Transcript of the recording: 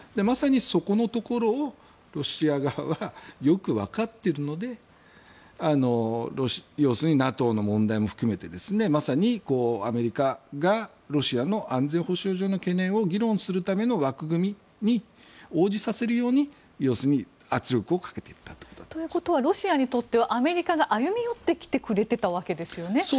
まさにそこのところをロシア側はよくわかっているので要するにＮＡＴＯの問題も含めてまさにアメリカがロシアの安全保障上の懸念を議論するための枠組みに応じさせるように圧力をかけていったと。ということはロシアにとってはアメリカが歩み寄ってきてくれていたわけですよね。